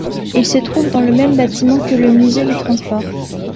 Il se trouve dans le même bâtiment que le musée du transport.